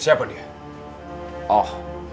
dia ini cuma pengawal siluman ular